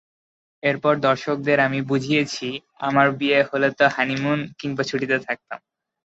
এরপর দর্শকদের আমি বুঝিয়েছি, আমার বিয়ে হলে তো হানিমুন, কিংবা ছুটিতে থাকতাম।